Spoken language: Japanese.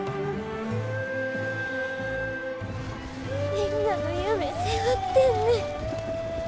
みんなの夢、背負ってんねん。